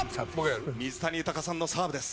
水谷豊さんのサーブです。